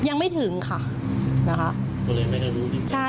ยังไม่ถึงค่ะ